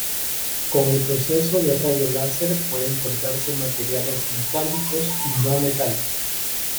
Con el proceso de rayo láser pueden cortarse materiales metálicos y no metálicos.